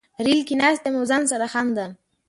ریل کې ناست یم او ځان سره خاندم